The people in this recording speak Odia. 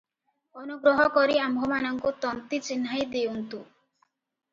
ଅନୁଗ୍ରହ କରି ଆମ୍ଭମାନଙ୍କୁ ତନ୍ତୀ ଚିହ୍ନାଇ ଦେଉଁନ୍ତୁ ।